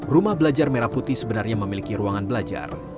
rumah belajar merah putih sebenarnya memiliki ruangan belajar